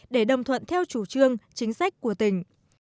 để đồng thuận theo chủ trương chính sách của tỉnh